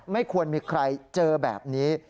ไม่ควรมีใครเจอแบบนี้